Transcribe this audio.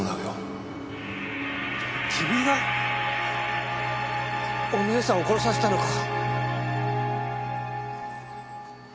君がお姉さんを殺させたのか。